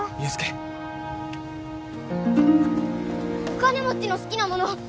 お金持ちの好きな物